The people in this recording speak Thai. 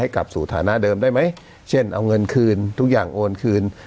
กลับสู่ฐานะเดิมได้ไหมเช่นเอาเงินคืนทุกอย่างโอนคืน